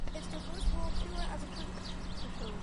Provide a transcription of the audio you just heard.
It’s their first world tour as a group.